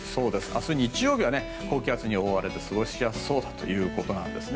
明日日曜日は高気圧に覆われて過ごしやすそうということです。